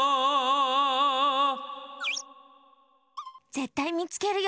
ぜったいみつけるよ。